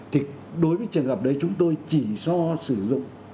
thì đối với trường hợp đấy chúng tôi chỉ so sử dụng